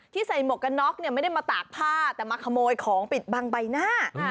ใส่หมวกกันน็อกเนี่ยไม่ได้มาตากผ้าแต่มาขโมยของปิดบังใบหน้า